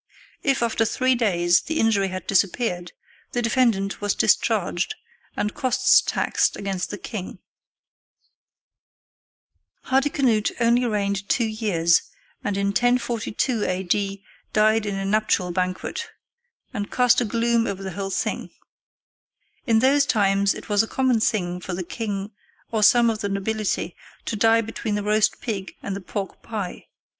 If after three days the injury had disappeared, the defendant was discharged and costs taxed against the king. [Illustration: DYING BETWEEN COURSES.] Hardicanute only reigned two years, and in 1042 A.D. died at a nuptial banquet, and cast a gloom over the whole thing. In those times it was a common thing for the king or some of the nobility to die between the roast pig and the pork pie.